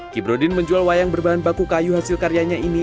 kibrodin menjual wayang berbahan baku kayu hasil karyanya ini